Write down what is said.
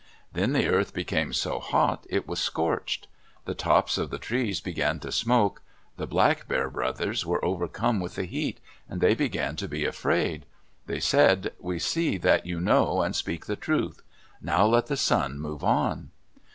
Then the earth became so hot it was scorched. The tops of the trees began to smoke. The Black Bear brothers were overcome with the heat, and they began to be afraid. They said, "We see that you know and speak the truth. Now let the sun move on."